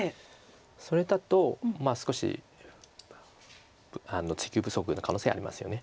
それだと少し追及不足の可能性ありますよね。